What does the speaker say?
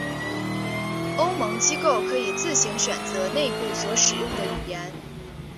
欧盟机构可以自行选择内部所使用的语言。